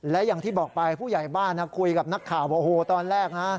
และอย่างที่บอกไปผู้ใหญ่บ้านคุยกับนักข่าวบอกโอ้โหตอนแรกนะ